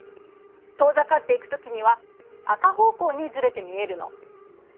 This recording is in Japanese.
遠ざかっていくときには赤方向にずれて見えるの。